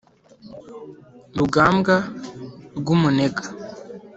rugambwa rw'umunega